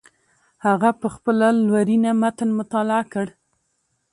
هغه په خپله لورینه متن مطالعه کړ.